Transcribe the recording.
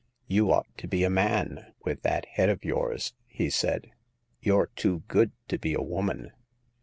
" You ought to be a man, with that head of yours," he said ; "you're too good to be a woman!"